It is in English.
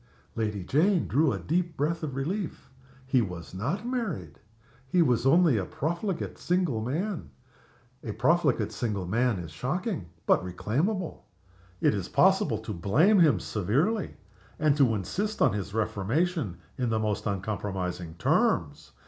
Lady Jane drew a deep breath of relief. He was not married! He was only a profligate single man. A profligate single man is shocking but reclaimable. It is possible to blame him severely, and to insist on his reformation in the most uncompromising terms.